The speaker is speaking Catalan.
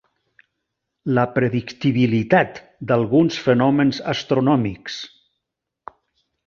La predictibilitat d'alguns fenòmens astronòmics.